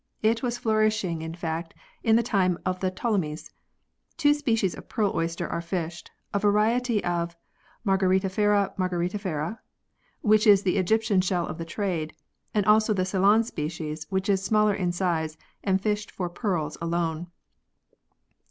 It was flourishing in fact in the time of the Ptolemies. Two species of pearl oyster are fished, a variety of M. margariti/era, which is the Egyptian shell of the trade, and also the Ceylon species which is smaller in size and fished for pearls alone.